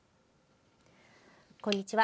こんにちは。